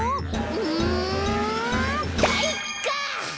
うんかいか！